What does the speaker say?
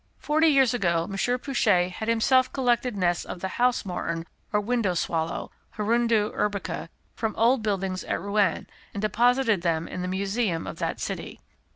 Forty years ago M. Pouchet had himself collected nests of the House Martin or Window Swallow (Hirundo urbica) from old buildings at Rouen, and deposited them in the museum of that city.